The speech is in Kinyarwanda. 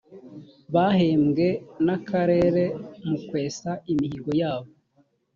bahembwe n’akarere mu kwesa imihigo yabo